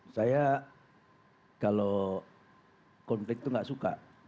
saya kalau konflik itu gak suka